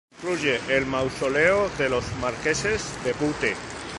Incluye el mausoleo de los marqueses de Bute.